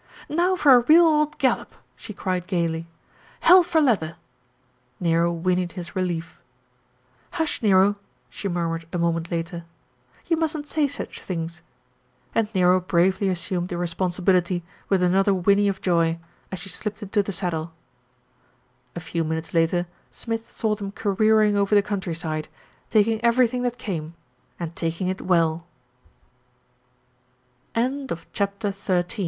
"Now for a real old gallop !" she cried gaily "hell for leather!" Nero whinnied his relief. "Hush, Nero !" she murmured a moment later. "You mustn't say such things," and Nero bravely as sumed the responsibility with another whinny of joy, as she slipped into the saddle. A few minutes later Smith saw them careering over the countryside, taking everything that came, and tak ing it well.